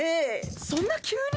そんな急に？